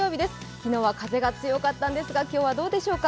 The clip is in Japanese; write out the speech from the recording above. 昨日は風が強かったんですが、今日はどうでしょうか。